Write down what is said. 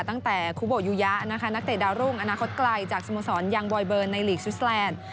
ตั้งแต่คุโบยูยะนะคะนักเตะดาวรุ่งอนาคตไกลจากสโมสรยังบอยเบอร์ในลีกสวิสแลนด์